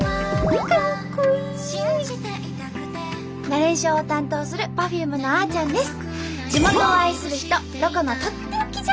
ナレーションを担当するＰｅｒｆｕｍｅのあちゃんです。